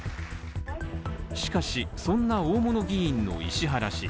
しかし、そんな大物議員の石原氏